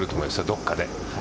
どっかで。